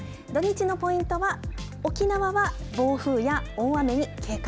土日のポイントは沖縄は暴風や大雨に警戒。